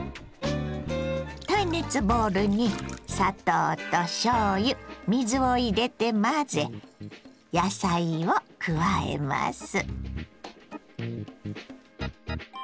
耐熱ボウルに砂糖としょうゆ水を入れて混ぜ野菜を加えます。